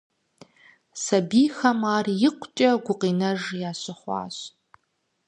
Сабийхэм ар икъукӀэ гукъинэж ящыхъуащ.